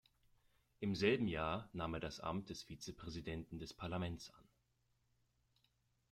Im selben Jahr nahm er das Amt des Vizepräsidenten des Parlaments an.